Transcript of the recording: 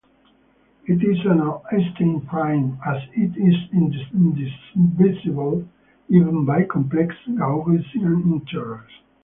It is an Eisenstein prime, as it is indivisible even by complex Gaussian integers.